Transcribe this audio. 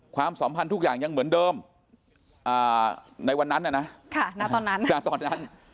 ความสัมพันธ์ทุกอย่างยังเหมือนเดิมในวันนั้นนะตอนนั้นณตอนนั้น